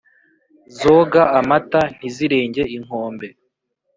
zoga amata, ntizirenge inkombe.